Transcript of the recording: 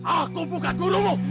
aku bukan gurumu